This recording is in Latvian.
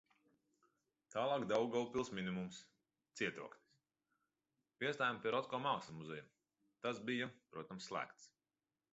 Tālāk Daugavpils minimums - cietoksnis. Piestājām pie Rotko mākslas muzeja, tas bija, protams, slēgts.